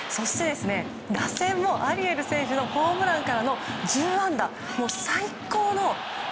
打線もアリエル選手のホームランからの１０安打。